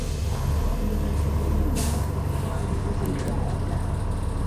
Aguilar se formó en las categorías inferiores del Real Madrid.